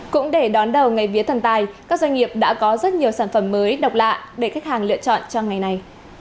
cũng để đón đầu ngày vía thần tài các doanh nghiệp đã có rất nhiều sản phẩm mới độc lạ để khách hàng lựa chọn cho ngày này